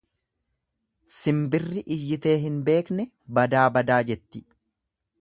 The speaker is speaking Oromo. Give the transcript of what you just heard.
"Simbirri iyyitee hin beekne ""badaa badaa"" jetti."